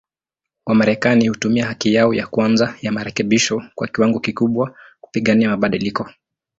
Wamarekani hutumia haki yao ya kwanza ya marekebisho kwa kiwango kikubwa, kupigania mabadiliko.